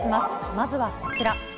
まずはこちら。